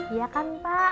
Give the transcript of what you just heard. iya kan pak